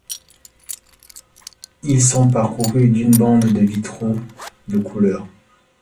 Ils sont parcourus d’une bande de vitraux de couleur.